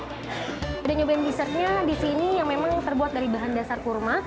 sudah nyobain dessertnya di sini yang memang terbuat dari bahan dasar kurma